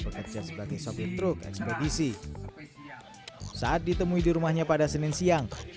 bekerja sebagai sopir truk ekspedisi saat ditemui di rumahnya pada senin siang